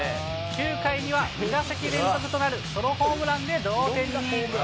９回には、２打席連続となるソロホームランで同点に。